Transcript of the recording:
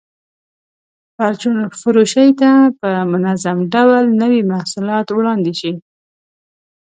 پرچون فروشۍ ته په منظم ډول نوي محصولات وړاندې شي.